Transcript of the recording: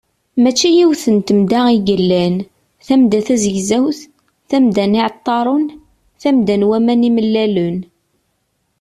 Mačči yiwet n temda i yellan: tamda tazegzawt, tamda n yiɛeṭṭaren, tamda n waman imellalen…